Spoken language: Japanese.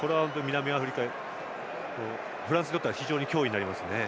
フランスにとっては非常に脅威になりますね。